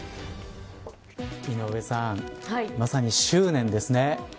井上さん、まさに執念ですね。